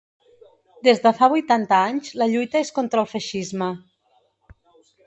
Des de fa vuitanta anys la lluita és contra el feixisme.